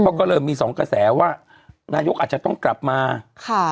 เพราะก็เริ่มมีสองกระแสว่านายกอาจจะต้องกลับมาค่ะ